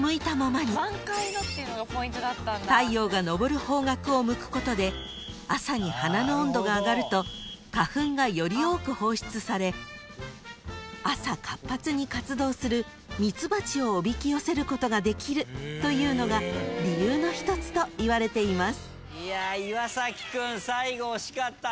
［太陽が昇る方角を向くことで朝に花の温度が上がると花粉がより多く放出され朝活発に活動するミツバチをおびき寄せることができるというのが理由の一つといわれています］